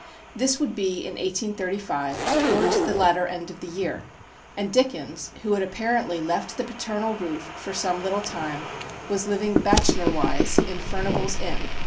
This would be in 1835, towards the latter end of the year; and Dickens, who had apparently left the paternal roof for some little time, was living bachelorwise, in Furnival's Inn.